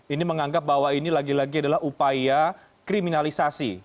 ini menganggap bahwa ini lagi lagi adalah upaya kriminalisasi